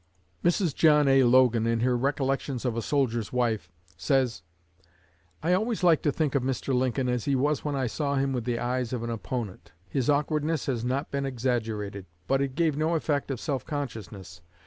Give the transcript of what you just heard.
Mrs. John A. Logan, in her "Recollections of a Soldier's Wife," says: "I always like to think of Mr. Lincoln as he was when I saw him with the eyes of an opponent. His awkwardness has not been exaggerated, but it gave no effect of self consciousness.